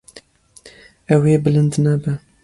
Ew ê bilind nebe.